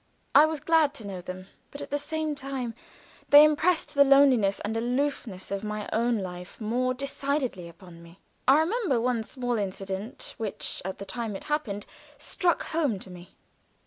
I was glad to know them, but at the same time they impressed the loneliness and aloofness of my own life more decidedly upon me. I remember one small incident which at the time it happened struck home to me.